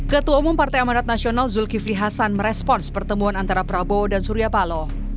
ketua umum partai amanat nasional zulkifli hasan merespons pertemuan antara prabowo dan surya paloh